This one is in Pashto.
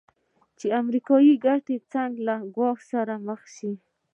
چې امریکایي ګټې څنګه له ګواښ سره مخ کېږي.